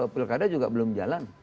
pilkada juga belum jalan